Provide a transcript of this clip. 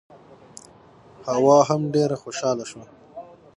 حوا هم ډېره خوشاله شوه.